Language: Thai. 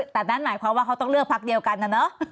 แต่นั่นหมายความว่าเขาต้องเลือกพักเดียวกันนะเนอะ